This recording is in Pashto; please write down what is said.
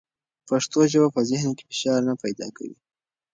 پښتو ژبه په ذهن کې فشار نه پیدا کوي.